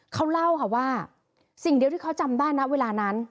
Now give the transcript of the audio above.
เขาเล่าค่ะว่าสิ่งเดียวที่เขาจำได้นะเวลานั้น